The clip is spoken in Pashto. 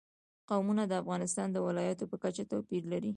قومونه د افغانستان د ولایاتو په کچه توپیر لري.